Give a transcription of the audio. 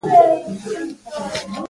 نوري دوې مادې د فرانسې په ارتباط وې.